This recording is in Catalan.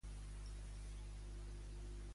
En quin terme li diu que confí en ell?